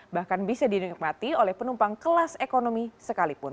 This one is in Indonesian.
bahkan bisa dinikmati oleh penumpang kelas ekonomi sekalipun